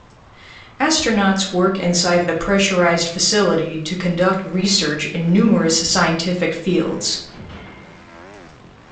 Astronauts work inside the pressurized facility to conduct research in numerous scientific fields.